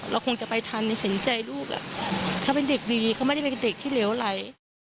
คงจะไปทันเห็นใจลูกเขาเป็นเด็กดีเขาไม่ได้เป็นเด็กที่เหลวไหล